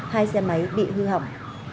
hai xe máy bị hư hỏng